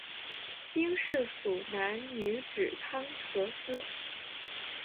兵事属南女直汤河司。